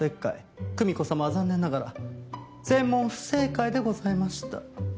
久美子様は残念ながら全問不正解でございました。